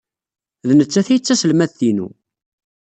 D nettat ay d taselmadt-inu.